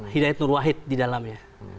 hidayat nur wahid di dalamnya